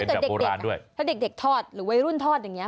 อ๋อถ้าเด็กถอดหรือวัยรุ่นทอดอย่างเนี้ย